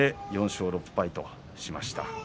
４勝６敗としました。